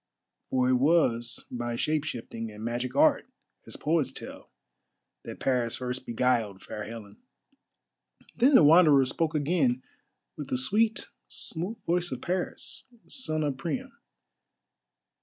For it was by shape shifting and magic art, as poets tell, that Paris first beguiled Fair Helen. Then the Wanderer spoke again with the sweet, smooth voice of Paris, son of Priam.